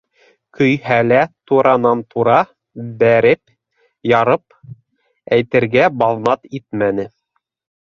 Көйһә лә, туранан-тура бәреп-ярып әйтергә баҙнат итмәне...